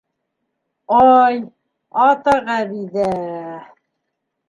Ай, ата Ғәбиҙә...